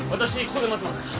ここで待ってますから。